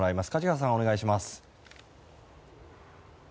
梶川さん、お願いします。